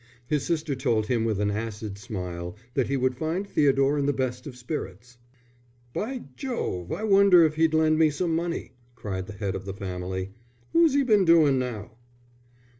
His sister told him with an acid smile that he would find Theodore in the best of spirits. "By Jove, I wonder if he'd lend me some money!" cried the head of the family. "Who's he been doin' now?"